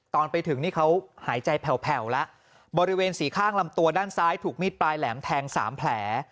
ตอนไปถึงนี่เขาหายใจแผ่วแล้วบริเวณสี่ข้างลำตัวด้านซ้ายถูกมีดปลายแหลมแทงสามแผล